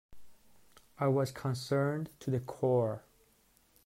I was concerned to the core.